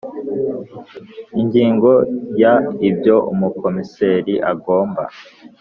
Ingingo ya ibyo umukomiseri agomba